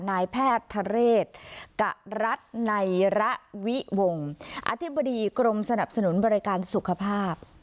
นายแพทย์ทะเรศกะรัฐในระวิวงศ์อธิบดีกรมสนับสนุนบริการสุขภาพ